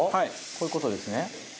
こういう事ですね。